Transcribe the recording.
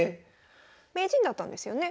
名人だったんですよね